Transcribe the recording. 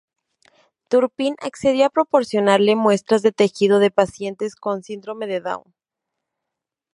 Turpin accedió a proporcionarle muestras de tejido de pacientes con síndrome de Down.